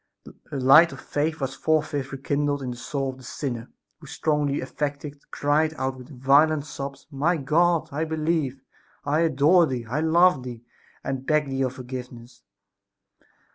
The light of faith was forthwith rekindled in the soul of the sinner, who, strongly affected, cried out with violent sobs: "My God, I believe; I adore Thee; I love Thee; and beg of Thee forgiveness!"